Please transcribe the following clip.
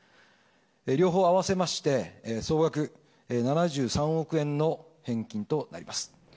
両方合わせまして、総額７３億円の返金となります。